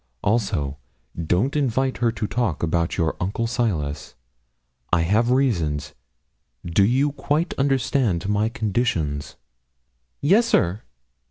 Also, don't invite her to talk about your uncle Silas I have reasons. Do you quite understand my conditions?' 'Yes, sir.'